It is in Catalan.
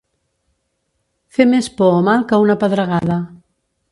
Fer més por o mal que una pedregada.